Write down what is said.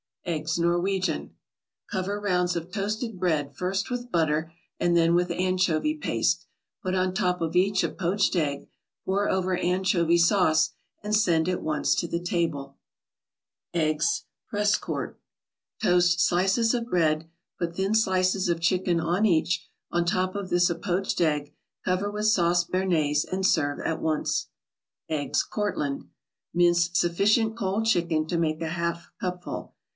EGGS NORWEGIAN Cover rounds of toasted bread first with butter and then with anchovy paste, put on top of each a poached egg, pour over anchovy sauce, and send at once to the table. EGGS PRESCOURT Toast slices of bread, put thin slices of chicken on each, on top of this a poached egg, cover with sauce Bernaise, and serve at once. EGGS COURTLAND Mince sufficient cold chicken to make a half cupful.